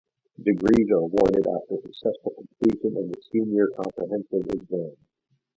Degrees are awarded after successful completion of senior comprehensive exams.